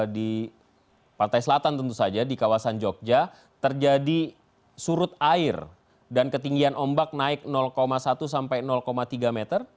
di pantai selatan tentu saja di kawasan jogja terjadi surut air dan ketinggian ombak naik satu sampai tiga meter